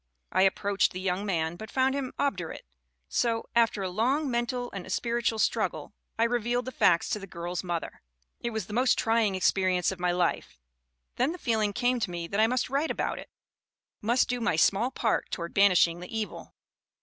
I approached the young man, but found him obdurate; so, after a long mental and spiritual struggle, I revealed the facts to the girl's mother. "It was the most trying experience of my life. Then the feeling came to me that I must write about it must do my small part toward banishing the evil."